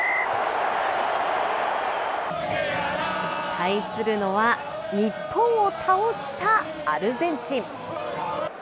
対するのは、日本を倒したアルゼンチン。